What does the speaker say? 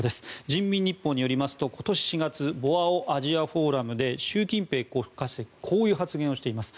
人民日報によりますと今年４月ボアオ・アジアフォーラムで習近平国家主席はこういう発言をしています。